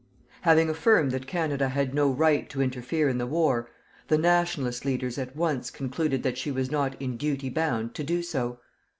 Having affirmed that Canada had no right to interfere in the war, the "Nationalist" leaders at once concluded that she was not in duty bound to do so.